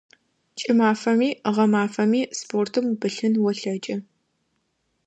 КӀымафэми гъэмафэми спортым упылъын олъэкӀы.